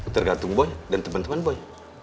tergantung boy dan temen temen boy